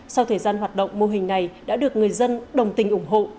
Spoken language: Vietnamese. sau thời gian hoạt động mô hình này đã được người dân đồng tình ủng hộ